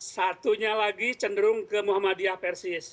satunya lagi cenderung ke muhammadiyah persis